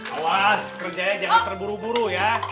awas kerjanya jangan terburu buru ya